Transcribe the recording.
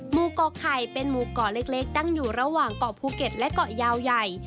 หมู่เกาะไข่เป็นหมู่เกาะเล็กตั้งอยู่ระหว่างเกาะภูเก็ตและเกาะยาวใหญ่